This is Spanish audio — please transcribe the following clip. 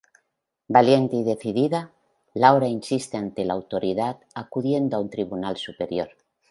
Valiente y decidida, Laura insiste ante la autoridad acudiendo a un tribunal superior.